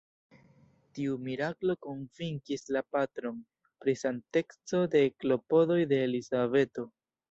Tiu miraklo konvinkis la patron pri sankteco de klopodoj de Elizabeto.